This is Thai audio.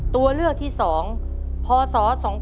ตัวเลือกที่๒พศ๒๕๖